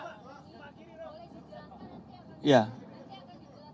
nanti akan dijelaskan seperti apa